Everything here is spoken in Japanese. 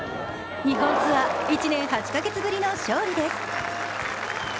日本ツアー１年８か月ぶりの勝利です。